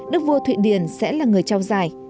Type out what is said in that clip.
đức vua thụy điển sẽ là người trao giải